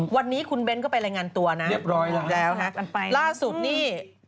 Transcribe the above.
วันนี้คุณเบนก็ไปรายงานตัวนะพูดแล้วนะครับล่าสุดนี้อืม